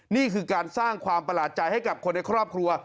นี่คือการสร้างความประหลาดใจให้กับคนในครอบครัว